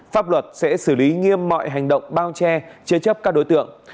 pháp luật sẽ xử lý nghiêm mọi hành động bao che chế chấp các đối tượng